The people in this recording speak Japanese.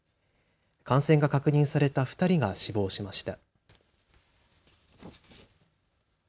感染が確認された２人が死亡しました。